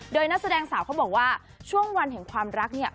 โดยนักแสดงสาวเขาบอกว่าช่วงวันแห่งความรักเนี่ย